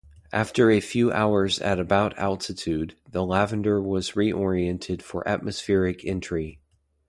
After a few hours at about altitude, the lander was reoriented for atmospheric entry.